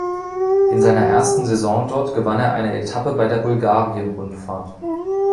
In seiner ersten Saison dort gewann er eine Etappe bei der Bulgarien-Rundfahrt.